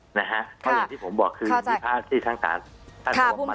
เพราะอย่างที่ผมบอกคือนิพธาที่ทางศาสตร์